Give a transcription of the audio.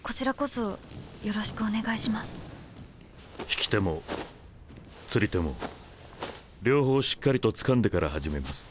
引き手も釣り手も両方しっかりとつかんでから始めます。